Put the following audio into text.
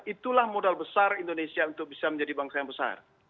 itulah modal besar indonesia untuk bisa menjadi bangsa yang besar